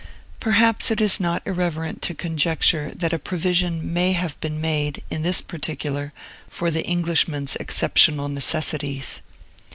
Perhaps it is not irreverent to conjecture that a provision may have been made, in this particular, for the Englishman's exceptional necessities.